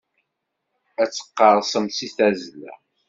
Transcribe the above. Ad teqqerṣem si tazla.